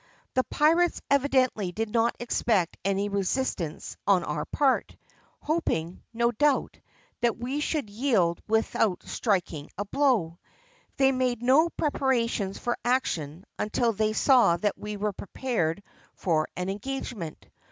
The pirates evidently did not expect any resistance on our part, hoping, no doubt, that we should yield without striking a blow. They had made no preparations for action until they saw that we were prepared for an engagement.